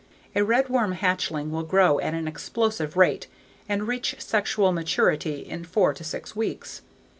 A redworm hatchling will grow at an explosive rate and reach sexual maturity in four to six weeks.